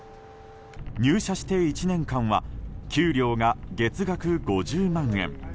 入社して１年間は給料が月額５０万円。